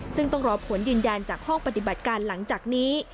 ซึ่งต้องรอผลยืนยันจากห้องปฏิบัติการหลังจากนี้